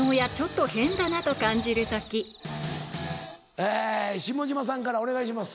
え下嶋さんからお願いします。